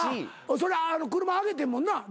それ車あげてんもんな？